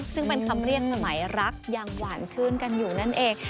ซึ่งเป็นคำเรียกสมัยรักยังหวานชื่นกันอยู่นั่นเอง